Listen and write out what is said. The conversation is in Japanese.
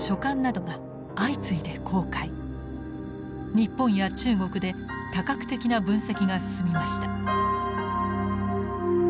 日本や中国で多角的な分析が進みました。